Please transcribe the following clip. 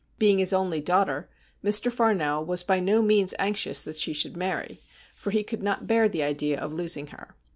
Being his only daughter, Mr. Farnell was by no means anxious that she should marry, for he could not bear the idea of losing her.